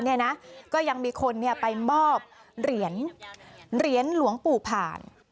แล้วก็ยังมีคนไปมอบเหรียญหลวงปู่ผ่าน